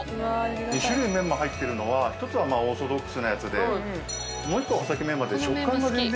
２種類メンマ入ってるのは１つはオーソドックスなやつでもう一方は穂先メンマで。